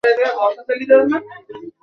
দুজন মৃত, একজন নিখোঁজ, তোমারা জীবিত, কেমনে?